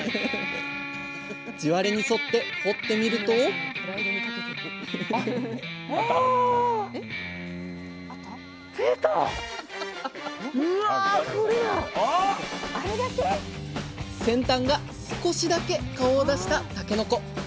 地割れに沿って掘ってみるとあれだけ⁉先端が少しだけ顔を出したたけのこ。